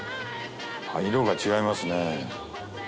色が違いますね。